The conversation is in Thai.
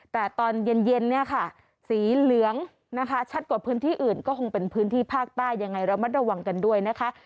แต่ตอนเย็นเนี่ยค่ะสีเหลืองนะคะชัดกว่าพื้นที่อื่นก็คงเป็นพื้นที่ภาคใต้ยังไงระมัดระวังกันด้วยนะคะ